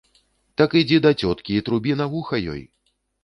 Так ідзі да цёткі і трубі на вуха ёй.